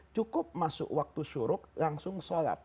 cukup masuk waktu syuruk langsung sholat